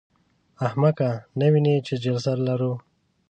احمقه! نه وینې چې جلسه لرو.